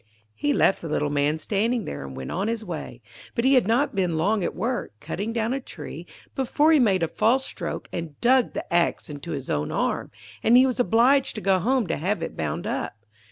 He left the little Man standing there, and went on his way. But he had not been long at work, cutting down a tree, before he made a false stroke, and dug the axe into his own arm, and he was obliged to go home to have it bound up.